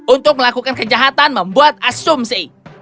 untuk melakukan kejahatan membuat asumsi